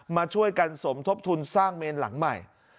มาช่วยกันสมทบทุนสร้างเมนหลังใหม่